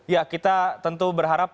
ya kita tentu berharap